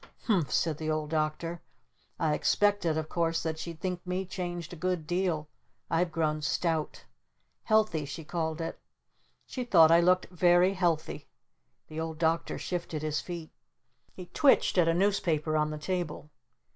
"Humph!" said the Old Doctor. "I expected of course that she'd think me changed a good deal. I've grown stout. 'Healthy' she called it. She thought I looked 'very healthy'!" The Old Doctor shifted his feet. He twitched at a newspaper on the table.